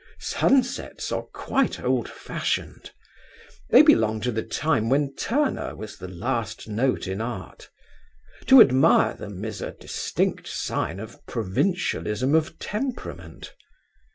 Sunsets are quite old fashioned. They belong to the time when Turner was the last note in art. To admire them is a distinct sign of provincialism of temperament.